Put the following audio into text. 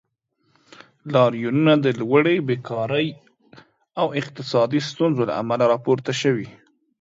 لاریونونه د لوړې بیکارۍ او اقتصادي ستونزو له امله راپورته شوي.